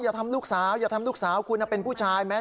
อย่าทำลูกสาวอย่าทำลูกสาวคุณเป็นผู้ชายไหม